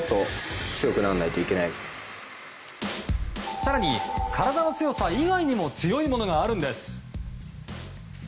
更に、体の強さ以外にも強いものがあるんです。